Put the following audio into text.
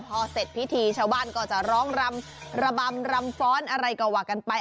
พอเสร็จพิธีชาวบ้านก็จะร้องรำระบำรำฟ้อนอะไรก็ว่ากันไป